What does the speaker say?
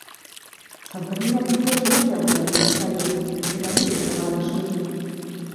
Sanferminak han ere ospatzea bururatu zitzaion eta bideo bat grabatu zuen.